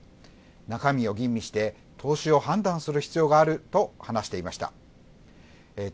中身を吟味して投資を判断する必要があると話していました。